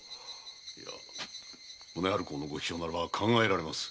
宗春公の気性なら考えられます。